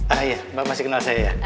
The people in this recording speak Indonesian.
ah iya mbak masih kenal saya ya